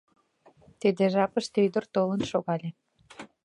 Тиде жапыште ӱдыр толын шогале.